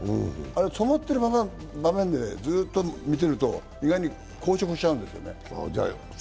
止まっている場面でずっと見ていると、意外に硬直しちゃうんですよ。